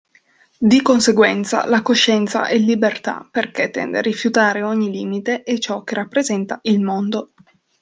Di conseguenza la coscienza è libertà perché tende a rifiutare ogni limite e ciò che rappresenta il mondo.